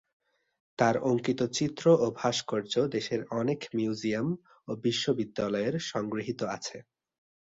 তার অঙ্কিত চিত্র ও ভাস্কর্য দেশের অনেক মিউজিয়াম ও বিশ্ববিদ্যালয়ের সংগৃহীত আছে।